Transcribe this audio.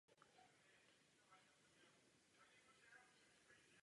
Je to jediné větší pleso v dolině.